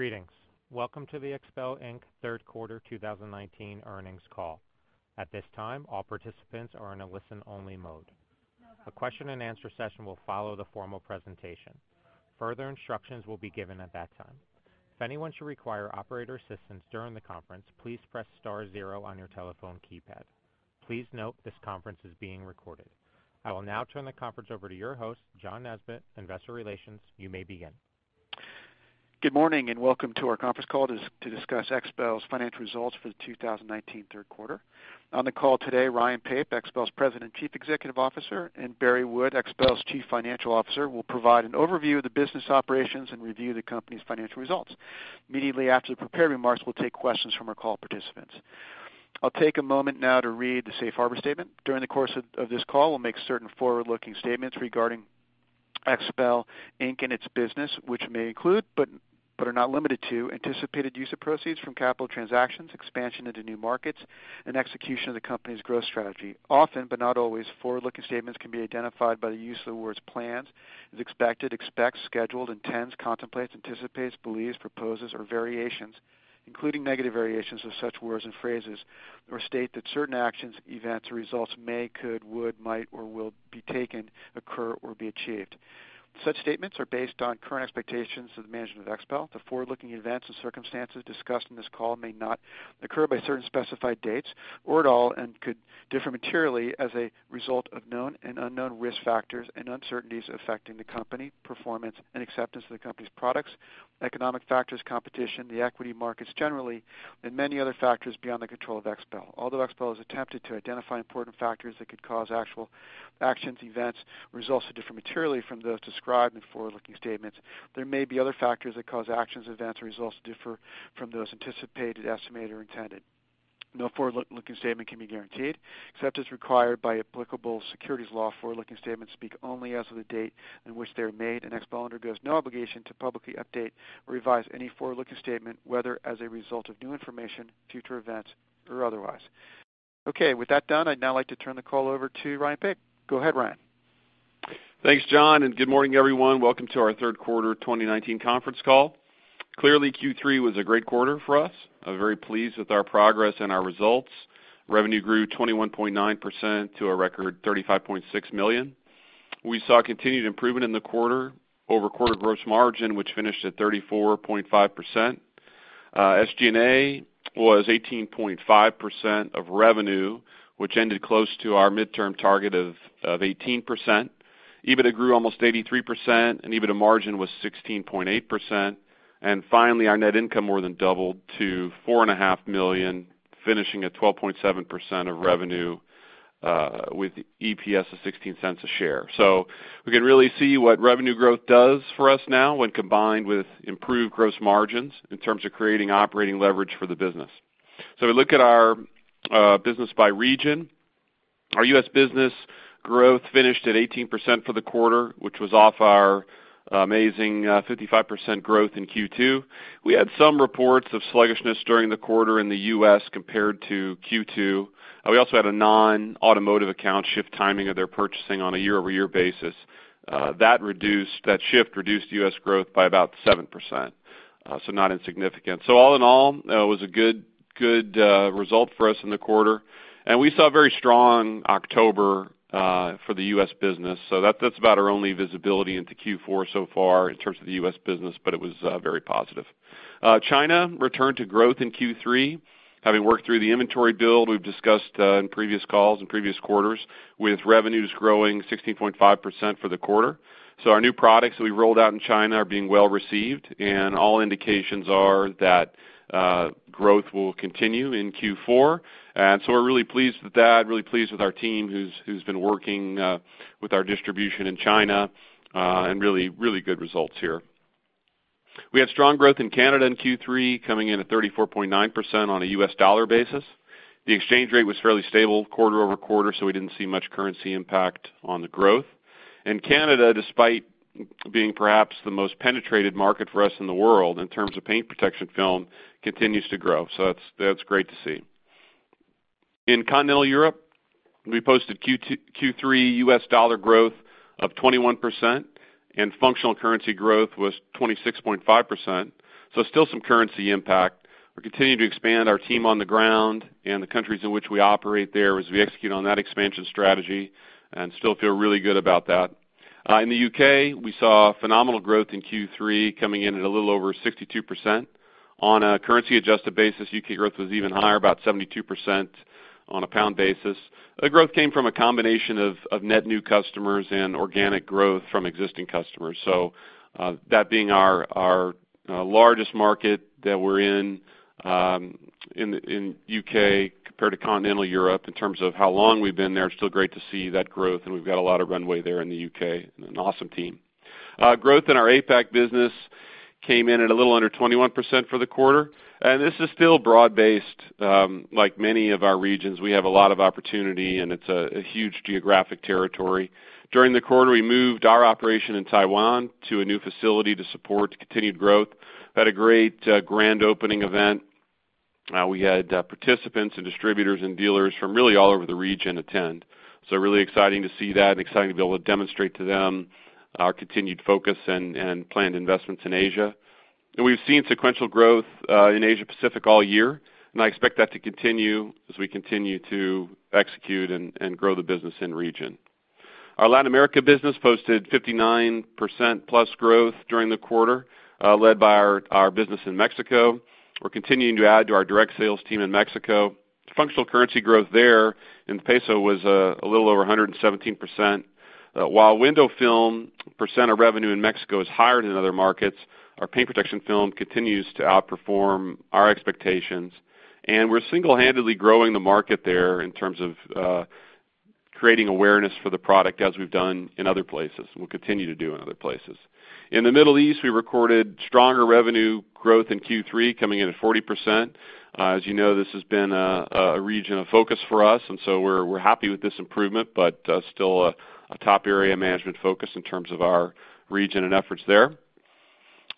Greetings. Welcome to the XPEL, Inc. third quarter 2019 earnings call. At this time, all participants are in a listen-only mode. A question and answer session will follow the formal presentation. Further instructions will be given at that time. If anyone should require operator assistance during the conference, please press star zero on your telephone keypad. Please note this conference is being recorded. I will now turn the conference over to your host, John Nesbett, Investor Relations. You may begin. Good morning, and welcome to our conference call to discuss XPEL's financial results for the 2019 third quarter. On the call today, Ryan Pape, XPEL's President Chief Executive Officer, and Barry Wood, XPEL's Chief Financial Officer, will provide an overview of the business operations and review the company's financial results. Immediately after the prepared remarks, we'll take questions from our call participants. I'll take a moment now to read the safe harbor statement. During the course of this call, we'll make certain forward-looking statements regarding XPEL, Inc. and its business, which may include, but are not limited to, anticipated use of proceeds from capital transactions, expansion into new markets, and execution of the company's growth strategy. Often, but not always, forward-looking statements can be identified by the use of the words plans, is expected, expects, scheduled, intends, contemplates, anticipates, believes, proposes, or variations, including negative variations of such words and phrases or state that certain actions, events, or results may, could, would, might, or will be taken, occur, or be achieved. Such statements are based on current expectations of the management of XPEL. The forward-looking events and circumstances discussed in this call may not occur by certain specified dates or at all and could differ materially as a result of known and unknown risk factors and uncertainties affecting the company, performance, and acceptance of the company's products, economic factors, competition, the equity markets generally, and many other factors beyond the control of XPEL. Although XPEL has attempted to identify important factors that could cause actual actions, events, results to differ materially from those described in forward-looking statements, there may be other factors that cause actions, events, or results to differ from those anticipated, estimated, or intended. No forward-looking statement can be guaranteed. Except as required by applicable securities law, forward-looking statements speak only as of the date in which they're made, and XPEL undergoes no obligation to publicly update or revise any forward-looking statement, whether as a result of new information, future events, or otherwise. Okay. With that done, I'd now like to turn the call over to Ryan Pape. Go ahead, Ryan. Thanks, John, and good morning, everyone. Welcome to our third quarter 2019 conference call. Clearly, Q3 was a great quarter for us. I'm very pleased with our progress and our results. Revenue grew 21.9% to a record $35.6 million. We saw continued improvement in the quarter-over-quarter gross margin, which finished at 34.5%. SG&A was 18.5% of revenue, which ended close to our midterm target of 18%. EBITDA grew almost 83%, and EBITDA margin was 16.8%. Finally, our net income more than doubled to $4.5 million, finishing at 12.7% of revenue, with EPS of $0.16 a share. We can really see what revenue growth does for us now when combined with improved gross margins in terms of creating operating leverage for the business. We look at our business by region. Our U.S. business growth finished at 18% for the quarter, which was off our amazing 55% growth in Q2. We had some reports of sluggishness during the quarter in the U.S. compared to Q2. We also had a non-automotive account shift timing of their purchasing on a year-over-year basis. That shift reduced U.S. growth by about 7%, so not insignificant. All in all, it was a good result for us in the quarter. We saw a very strong October for the U.S. business, so that's about our only visibility into Q4 so far in terms of the U.S. business, but it was very positive. China returned to growth in Q3, having worked through the inventory build we've discussed in previous calls in previous quarters, with revenues growing 16.5% for the quarter. Our new products that we rolled out in China are being well-received, and all indications are that growth will continue in Q4. We're really pleased with that, really pleased with our team who's been working with our distribution in China, and really, really good results here. We had strong growth in Canada in Q3, coming in at 34.9% on a U.S. dollar basis. The exchange rate was fairly stable quarter-over-quarter, so we didn't see much currency impact on the growth. Canada, despite being perhaps the most penetrated market for us in the world in terms of paint protection film, continues to grow. That's great to see. In Continental Europe, we posted Q3 U.S. dollar growth of 21%, and functional currency growth was 26.5%, so still some currency impact. We're continuing to expand our team on the ground in the countries in which we operate there as we execute on that expansion strategy and still feel really good about that. In the U.K., we saw phenomenal growth in Q3, coming in at a little over 62%. On a currency-adjusted basis, U.K. growth was even higher, about 72% on a GBP basis. The growth came from a combination of net new customers and organic growth from existing customers. That being our largest market that we're in, in U.K. compared to Continental Europe in terms of how long we've been there, it's still great to see that growth, and we've got a lot of runway there in the U.K. and an awesome team. Growth in our APAC business came in at a little under 21% for the quarter, and this is still broad-based. Like many of our regions, we have a lot of opportunity, and it's a huge geographic territory. During the quarter, we moved our operation in Taiwan to a new facility to support continued growth. We had a great grand opening event. We had participants and distributors and dealers from really all over the region attend. Really exciting to see that and exciting to be able to demonstrate to them our continued focus and planned investments in Asia. We've seen sequential growth in Asia Pacific all year, and I expect that to continue as we continue to execute and grow the business in region. Our Latin America business posted 59%+ growth during the quarter, led by our business in Mexico. We're continuing to add to our direct sales team in Mexico. Functional currency growth there in peso was a little over 117%. While window film percent of revenue in Mexico is higher than in other markets, our paint protection film continues to outperform our expectations, we're single-handedly growing the market there in terms of creating awareness for the product as we've done in other places, and we'll continue to do in other places. In the Middle East, we recorded stronger revenue growth in Q3 coming in at 40%. As you know, this has been a region of focus for us, we're happy with this improvement, still a top area management focus in terms of our region and efforts there.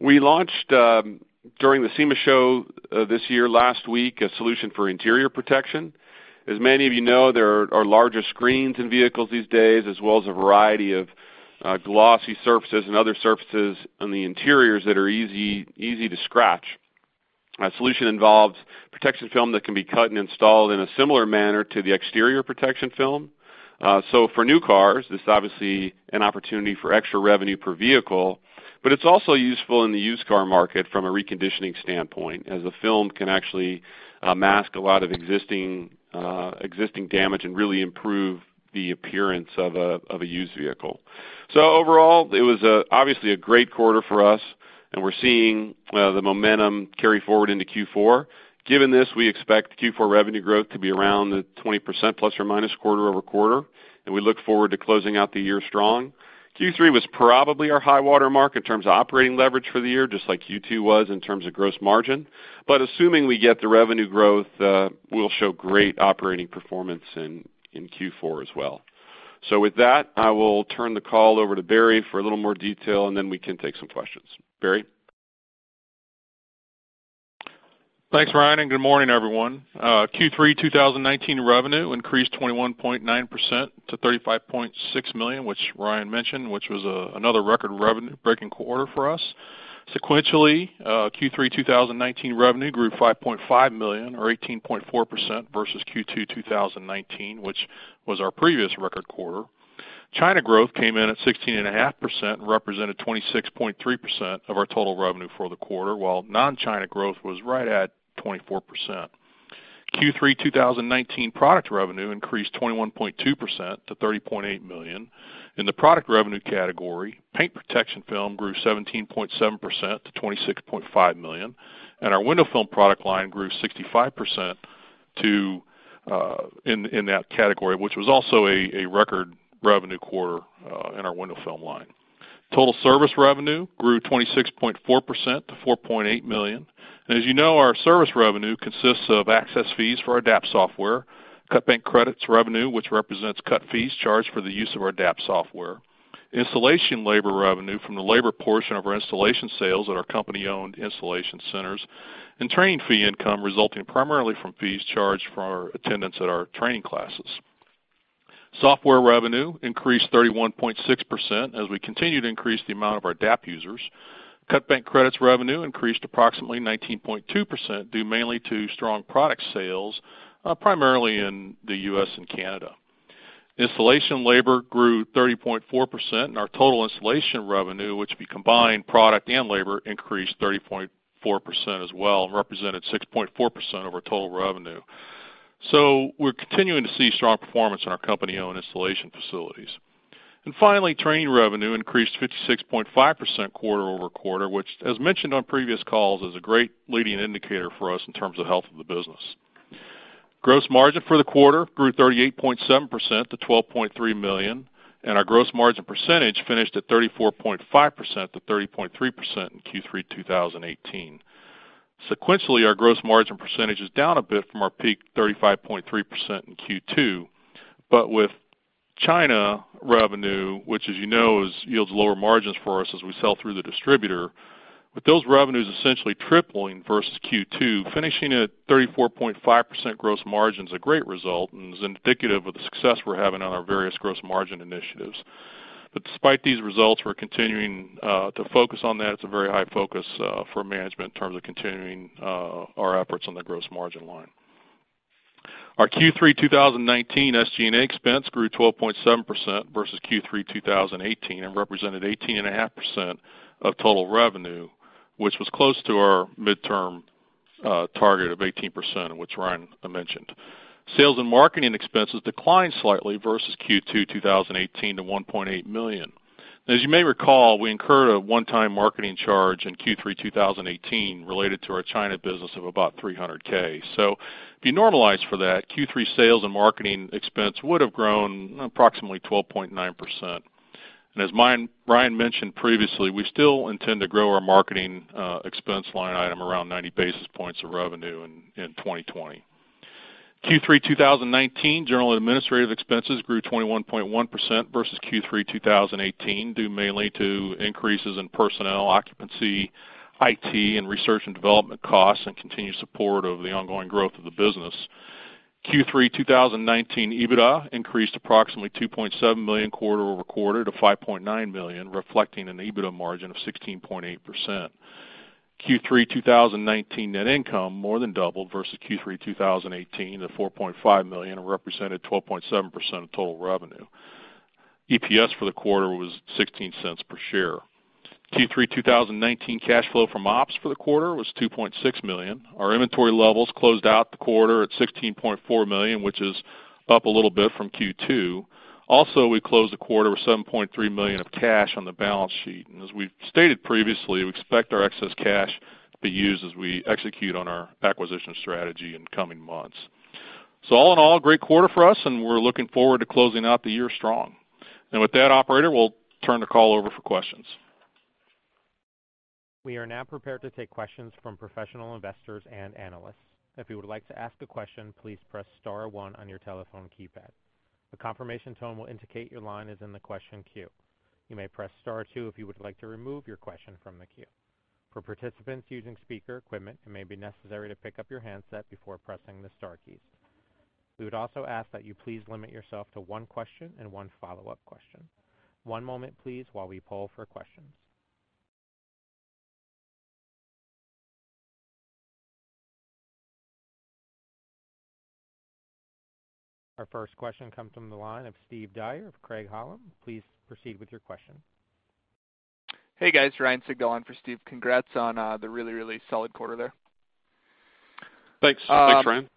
We launched during the SEMA show this year, last week, a solution for interior protection. As many of you know, there are larger screens in vehicles these days, as well as a variety of glossy surfaces and other surfaces on the interiors that are easy to scratch. Our solution involves protection film that can be cut and installed in a similar manner to the exterior protection film. For new cars, this is obviously an opportunity for extra revenue per vehicle, but it's also useful in the used car market from a reconditioning standpoint, as the film can actually mask a lot of existing damage and really improve the appearance of a used vehicle. Overall, it was obviously a great quarter for us, and we're seeing the momentum carry forward into Q4. Given this, we expect Q4 revenue growth to be around the 20% plus or minus quarter-over-quarter, and we look forward to closing out the year strong. Q3 was probably our high water mark in terms of operating leverage for the year, just like Q2 was in terms of gross margin. Assuming we get the revenue growth, we'll show great operating performance in Q4 as well. With that, I will turn the call over to Barry for a little more detail, and then we can take some questions. Barry? Thanks, Ryan, and good morning, everyone. Q3 2019 revenue increased 21.9% to $35.6 million, which Ryan mentioned, which was another record revenue-breaking quarter for us. Sequentially, Q3 2019 revenue grew $5.5 million or 18.4% versus Q2 2019, which was our previous record quarter. China growth came in at 16.5% and represented 26.3% of our total revenue for the quarter, while non-China growth was right at 24%. Q3 2019 product revenue increased 21.2% to $30.8 million. In the product revenue category, paint protection film grew 17.7% to $26.5 million, and our window film product line grew 65% to in that category, which was also a record revenue quarter in our window film line. Total service revenue grew 26.4% to $4.8 million. As you know, our service revenue consists of access fees for our DAP software, cut bank credits revenue, which represents cut fees charged for the use of our DAP software, installation labor revenue from the labor portion of our installation sales at our company-owned installation centers, and training fee income resulting primarily from fees charged for our attendance at our training classes. Software revenue increased 31.6% as we continue to increase the amount of our DAP users. Cut bank credits revenue increased approximately 19.2% due mainly to strong product sales, primarily in the U.S. and Canada. Installation labor grew 30.4%, and our total installation revenue, which we combine product and labor, increased 30.4% as well, and represented 6.4% of our total revenue. We're continuing to see strong performance in our company-owned installation facilities. Finally, training revenue increased 56.5% quarter-over-quarter, which as mentioned on previous calls, is a great leading indicator for us in terms of health of the business. Gross margin for the quarter grew 38.7% to $12.3 million, and our gross margin percentage finished at 34.5% to 30.3% in Q3 2018. Sequentially, our gross margin percentage is down a bit from our peak 35.3% in Q2. With China revenue, which as you know yields lower margins for us as we sell through the distributor, with those revenues essentially tripling versus Q2, finishing at 34.5% gross margin's a great result and is indicative of the success we're having on our various gross margin initiatives. Despite these results, we're continuing to focus on that. It's a very high focus for management in terms of continuing our efforts on the gross margin line. Our Q3 2019 SG&A expense grew 12.7% versus Q3 2018 and represented 18.5% of total revenue, which was close to our midterm target of 18%, which Ryan mentioned. Sales and marketing expenses declined slightly versus Q2 2018 to $1.8 million. As you may recall, we incurred a one-time marketing charge in Q3 2018 related to our China business of about $300K. If you normalize for that, Q3 sales and marketing expense would have grown approximately 12.9%. As Ryan mentioned previously, we still intend to grow our marketing expense line item around 90 basis points of revenue in 2020. Q3 2019, general administrative expenses grew 21.1% versus Q3 2018, due mainly to increases in personnel occupancy, IT, and research and development costs, and continued support of the ongoing growth of the business. Q3 2019 EBITDA increased approximately $2.7 million quarter-over-quarter to $5.9 million, reflecting an EBITDA margin of 16.8%. Q3 2019 net income more than doubled versus Q3 2018 to $4.5 million, and represented 12.7% of total revenue. EPS for the quarter was $0.16 per share. Q3 2019 cash flow from ops for the quarter was $2.6 million. Our inventory levels closed out the quarter at $16.4 million, which is up a little bit from Q2. We closed the quarter with $7.3 million of cash on the balance sheet. As we've stated previously, we expect our excess cash to be used as we execute on our acquisition strategy in coming months. All in all, a great quarter for us. We're looking forward to closing out the year strong. With that, operator, we'll turn the call over for questions. We are now prepared to take questions from professional investors and analysts. If you would like to ask a question, please press star one on your telephone keypad. A confirmation tone will indicate your line is in the question queue. You may press star one if you would like to remove your question from the queue. For participants using speaker equipment, it may be necessary to pick up your handset before pressing the star keys. We would also ask that you please limit yourself to one question and one follow-up question. One moment, please, while we poll for questions. Our first question comes from the line of Steve Dyer of Craig-Hallum. Please proceed with your question. Hey, guys. Ryan Sigdahl on for Steve. Congrats on the really, really solid quarter there. Thanks. Thanks, Ryan.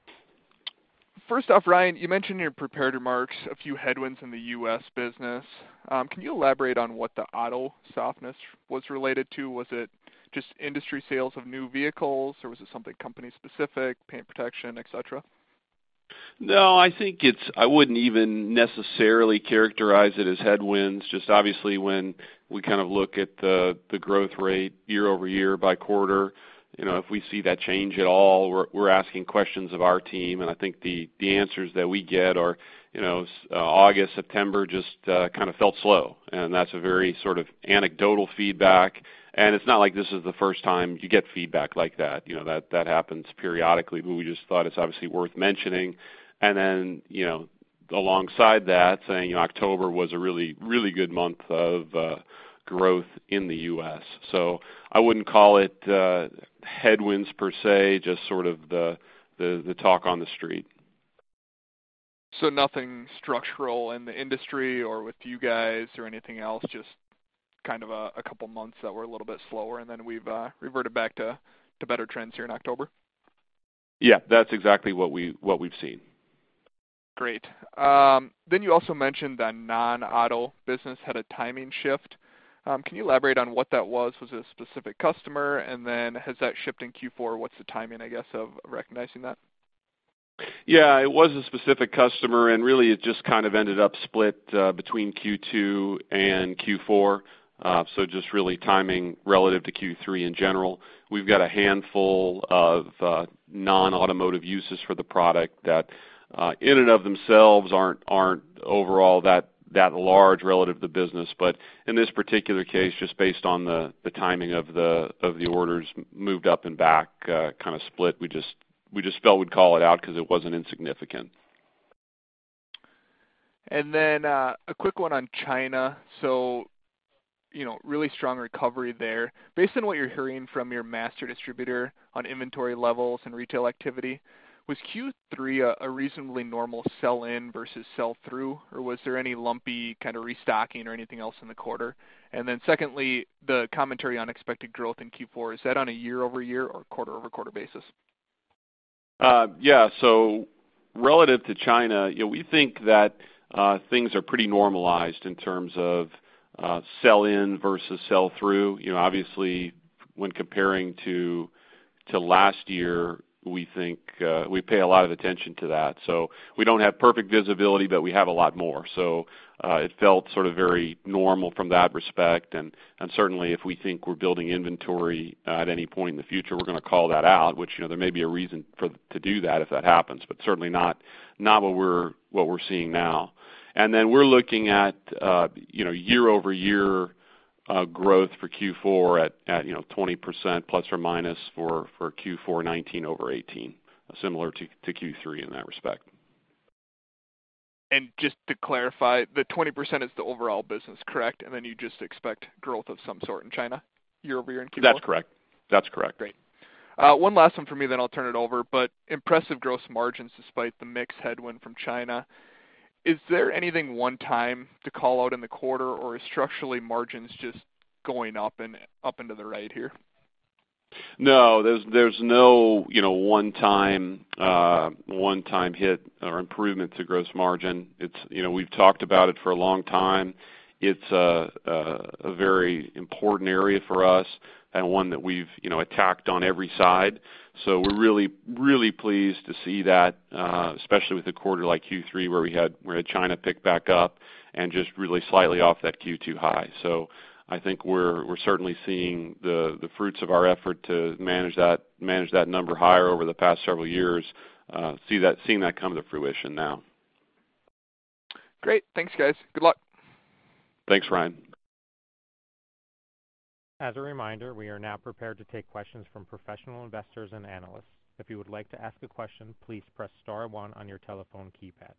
First off, Ryan, you mentioned in your prepared remarks a few headwinds in the U.S. business. Can you elaborate on what the auto softness was related to? Was it just industry sales of new vehicles, or was it something company specific, paint protection, et cetera? I think it's I wouldn't even necessarily characterize it as headwinds. Obviously, when we kind of look at the growth rate year over year by quarter, you know, if we see that change at all, we're asking questions of our team, and I think the answers that we get are, you know, August, September just kinda felt slow, and that's a very sort of anecdotal feedback, and it's not like this is the first time you get feedback like that. That, that happens periodically, but we just thought it's obviously worth mentioning. Alongside that, saying October was a really, really good month of growth in the U.S. I wouldn't call it headwinds per se, just sort of the, the talk on the street. Nothing structural in the industry or with you guys or anything else, just kind of a couple months that were a little bit slower, and then we've reverted back to better trends here in October? Yeah, that's exactly what we've seen. Great. You also mentioned that non-auto business had a timing shift. Can you elaborate on what that was? Was it a specific customer? Has that shifted in Q4? What's the timing, I guess, of recognizing that? Yeah, it was a specific customer, really it just kind of ended up split between Q2 and Q4. Just really timing relative to Q3 in general. We've got a handful of non-automotive uses for the product that in and of themselves aren't overall that large relative to the business. In this particular case, just based on the timing of the, of the orders moved up and back, kinda split. We just felt we'd call it out 'cause it wasn't insignificant. A quick one on China. You know, really strong recovery there. Based on what you're hearing from your master distributor on inventory levels and retail activity, was Q3 a reasonably normal sell in versus sell through, or was there any lumpy kind of restocking or anything else in the quarter? Secondly, the commentary on expected growth in Q4, is that on a year-over-year or quarter-over-quarter basis? Yeah, relative to China, you know, we think that things are pretty normalized in terms of sell in versus sell through. You know, obviously when comparing to last year, we think we pay a lot of attention to that. We don't have perfect visibility, but we have a lot more. It felt sort of very normal from that respect, and certainly if we think we're building inventory at any point in the future, we're gonna call that out, which, you know, there may be a reason to do that if that happens, but certainly not what we're seeing now. We're looking at, you know, year-over-year growth for Q4 at, you know, 20% ± for Q4 2019 over 2018, similar to Q3 in that respect. Just to clarify, the 20% is the overall business, correct? Then you just expect growth of some sort in China year-over-year in Q4? That's correct. That's correct. Great. One last one for me, then I'll turn it over. Impressive gross margins despite the mix headwind from China. Is there anything one-time to call out in the quarter, or is structurally margins just going up and up and to the right here? No, there's no, you know, one-time, one-time hit or improvement to gross margin. It's, you know, we've talked about it for a long time. It's a very important area for us and one that we've, you know, attacked on every side. We're really pleased to see that, especially with a quarter like Q3, where we had China pick back up and just really slightly off that Q2 high. I think we're certainly seeing the fruits of our effort to manage that number higher over the past several years, seeing that come to fruition now. Great. Thanks, guys. Good luck. Thanks, Ryan. As a reminder, we are now prepared to take questions from professional investors and analysts. If you would like to ask a question, please press star one on your telephone keypad.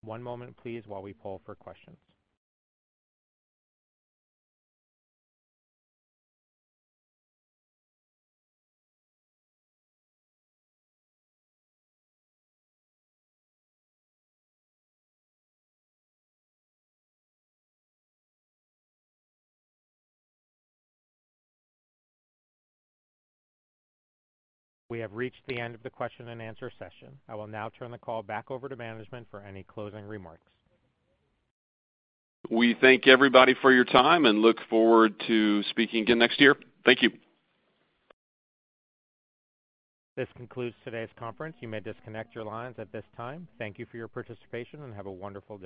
One moment, please, while we poll for questions. We have reached the end of the question and answer session. I will now turn the call back over to management for any closing remarks. We thank everybody for your time and look forward to speaking again next year. Thank you. This concludes today's conference. You may disconnect your lines at this time. Thank you for your participation, and have a wonderful day.